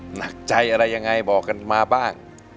หนักใจอะไรยังไงบอกกันมาบ้าง